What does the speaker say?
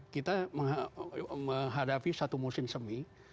kita menghadapi satu musim semi